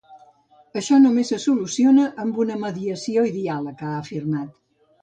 Això només se soluciona amb una mediació i diàleg, ha afirmat.